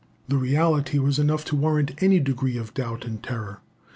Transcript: The reality was enough to warrant any degree of doubt and terror.